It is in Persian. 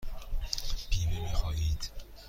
بیمه می خواهید؟